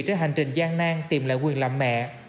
trên hành trình gian nan tìm lại quyền làm mẹ